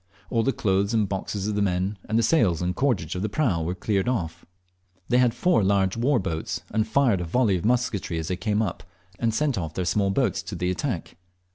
All the clothes and boxes of the men, and the sails and cordage of the prau, were cleared off. They had four large war boats, and fired a volley of musketry as they came up, and sent off their small boats to the attack.